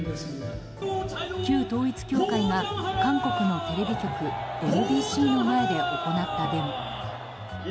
旧統一教会が韓国のテレビ局ＭＢＣの前で行ったデモ。